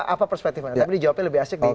apa perspektif anda